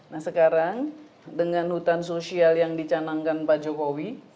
nah sekarang dengan hutan sosial yang dicanangkan pak jokowi